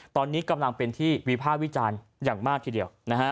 ตอนนี้กำลังเป็นที่วิภาควิจารณ์อย่างมากทีเดียวนะฮะ